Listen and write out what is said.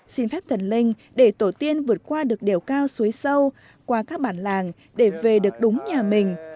xin phép thần linh để tổ tiên vượt qua được đèo cao suối sâu qua các bản làng để về được đúng nhà mình